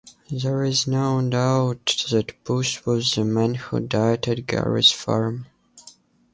There is no doubt that Booth was the man who died at Garrett's farm.